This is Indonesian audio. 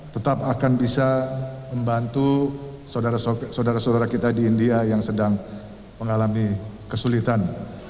tetap akan bisa membantu saudara saudara kita di india yang sedang mengalami kesulitan